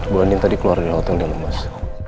buangin tadi keluar dari hotel dia lemas